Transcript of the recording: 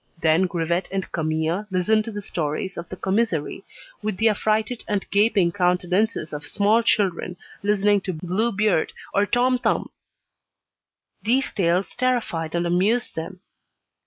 Then Grivet and Camille listened to the stories of the commissary with the affrighted and gaping countenances of small children listening to "Blue Beard" or "Tom Thumb." These tales terrified and amused them.